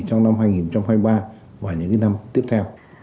trong năm hai nghìn hai mươi ba và những năm tiếp theo